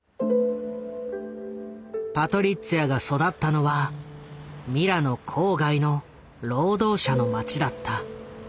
パトリッツィアが育ったのはミラノ郊外の労働者の町だった。